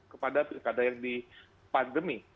kepada pilkada yang dipandemi